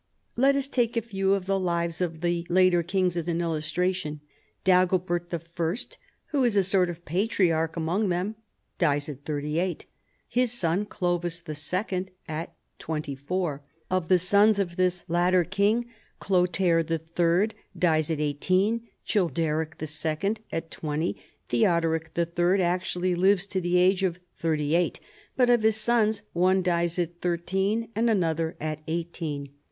Let us take a few of the lives of the later kings as an illus tration. Dagobert I., who is a sort of patriarch among tbem, dies at thirty eight ; his son, Clovis II., at twenty four ; of the sons of this latter king, Chlothair III. dies at eighteen, Childeric II. at twenty. Theodoric III. actually lives to the age of thirty eight, but of his sons one dies at thirteen and another at eighteen.